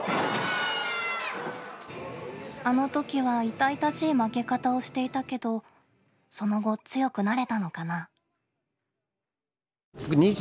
あのときは痛々しい負け方をしていたけどその後強くなれたのかな。